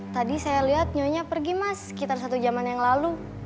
tadi saya lihat nyonya pergi mas sekitar satu jaman yang lalu